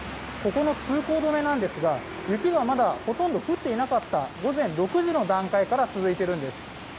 ここの通行止めなんですが雪がまだほとんど降っていなかった午前６時の段階から続いているんです。